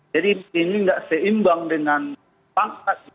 jadi ini tidak seimbang dengan pangkat